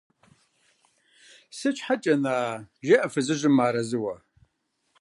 – Сыт щхьэкӀэ-на? – жеӀэ фызыжьым мыарэзыуэ.